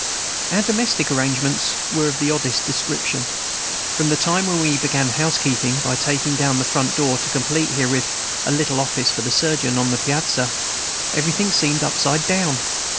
Our domestic arrangements were of the oddest description. From the time when we began housekeeping by taking down the front door to complete therewith a little office for the surgeon on the piazza, everything seemed upside down.